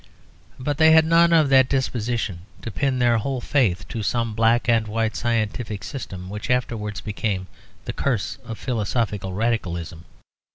But they had none of that disposition to pin their whole faith to some black and white scientific system which afterwards became the curse of philosophical Radicalism.